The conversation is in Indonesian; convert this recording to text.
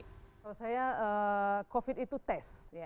kalau saya covid itu tes